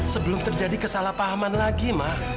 sebelum terjadi kesalahpahaman lagi mah